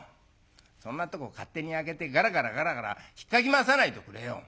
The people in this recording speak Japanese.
そんなとこ勝手に開けてがらがらがらがらひっかき回さないでおくれよ。